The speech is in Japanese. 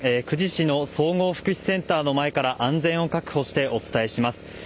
久慈市の総合福祉センターの前から安全を確保してお伝えします。